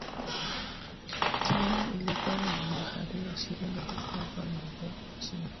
tian iliyokuwa na mabaharia ishirini na tisa ambao ni raia wa uchina